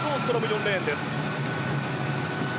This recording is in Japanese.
４レーンです。